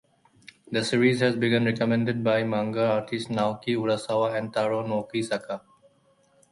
The series has been recommended by manga artists Naoki Urasawa and Taro Nogizaka.